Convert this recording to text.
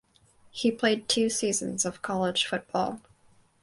He played two seasons of college football.